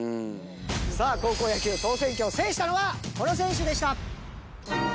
さあ高校野球総選挙を制したのはこの選手でした。